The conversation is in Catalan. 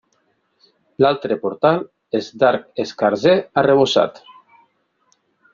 L'altre portal és d'arc escarser arrebossat.